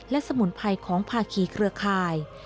และสมุนไพรของภาคีเครือข่าย